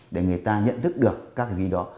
để người ta nhận thức được các cái gì đó